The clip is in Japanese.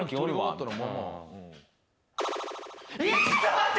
ちょっと待って！